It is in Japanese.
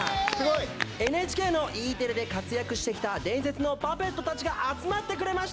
ＮＨＫのＥテレで活躍してきた伝説のパペットたちが集まってくれました。